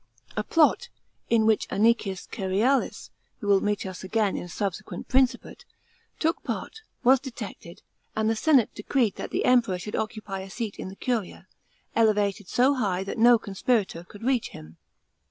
A plot, in which Anicius Cerealis, who will meet us again in a subsequent' piincipate, took part, was detected, and the senate decreed that the Emperor should occupy a seat in the curia, elevated so high that no conspirator could reach him.